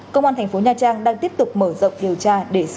công an thành phố nha trang đang tiếp tục mở rộng điều tra